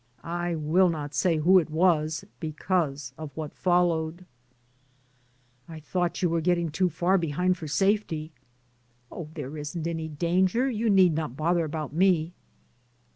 I will not say who it was be cause of what followed. '*I thought you were getting too far be hind for safety." "Oh, there isn't any danger ; you need not bother about me."